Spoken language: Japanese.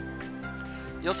予想